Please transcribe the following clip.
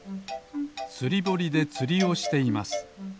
ぼりでつりをしています。